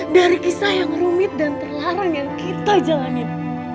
dari kisah yang rumit dan terlarang yang kita jalanin